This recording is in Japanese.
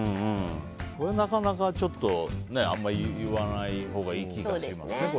これ、なかなかあんまり言わないほうがいい気がしますね。